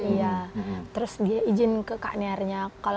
iya terus dia izin ke kak nearnya